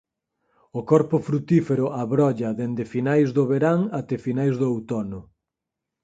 O corpo frutífero abrolla dende finais do verán até finais do outono.